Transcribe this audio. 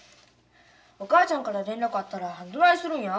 お母ちゃんから連絡あったらどないするんや？